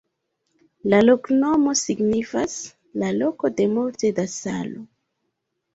La loknomo signifas: "la loko de multe da salo".